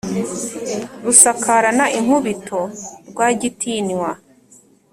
Rusakarana inkubito Rwagitinywa,